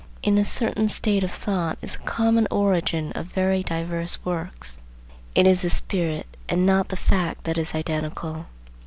In a certain state of thought is the common origin of very diverse works. It is the spirit and not the fact that is identical.